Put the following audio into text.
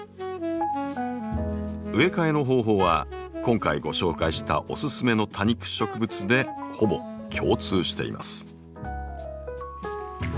植え替えの方法は今回ご紹介したおススメの多肉植物でほぼ共通しています。